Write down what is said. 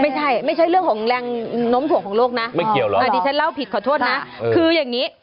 ไม่ใช่ไม่ใช่เรื่องของแรงน้มถ่วงของโลกนะไม่เกี่ยวเหรออ่าดิฉันเล่าผิดขอโทษนะคืออย่างนี้